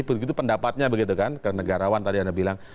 begitu pendapatnya begitu kan ke negarawan tadi anda bilang